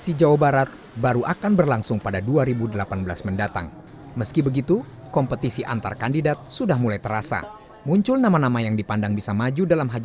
saya akan pakai sama siapa saja